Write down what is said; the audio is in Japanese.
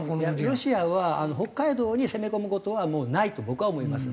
ロシアは北海道に攻め込む事はもうないと僕は思います。